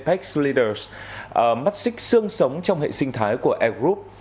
nó là một trong những trung tâm anh ngữ apex leaders mắt xích sương sống trong hệ sinh thái của apex group